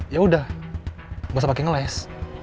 ya udah bisa pake ngeles